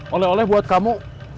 oleh oleh buat kamu